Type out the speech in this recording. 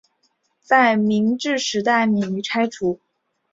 在明治时代免于拆除。